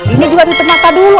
ini juga tutup mata dulu